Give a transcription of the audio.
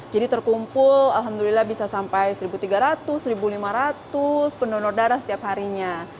jadi terkumpul alhamdulillah bisa sampai satu tiga ratus satu lima ratus pendonor darah setiap harinya